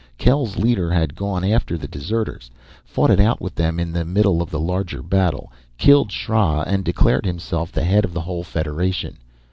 Kel's leader had gone after the deserters, fought it out with them in the middle of the larger battle, killed Sra, and declared himself the head of the whole Federation.